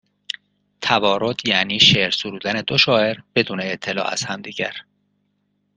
توارد یعنی شعر سرودن دو شاعر بدون اطلاع از همدیگر